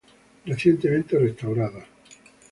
Recientemente restaurada.